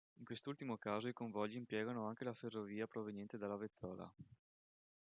In quest'ultimo caso i convogli impiegano anche la ferrovia proveniente da Lavezzola.